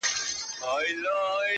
ور ناورین یې د کارګه غریب مېله کړه-